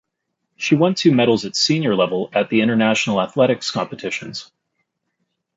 She won two medals, at senior level, at the International athletics competitions.